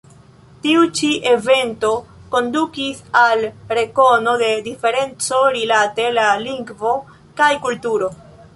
Tiu ĉi evento kondukis al rekono de diferenco rilate la lingvo kaj kulturo.